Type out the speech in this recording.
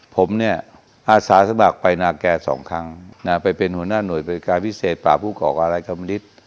ผมเนี่ยอาสาสมัครไปนาแก่สองครั้งไปเป็นหัวหน้าหน่วยบริการพิเศษป่าผู้ก่ออาลัยกรรมนิษฐ์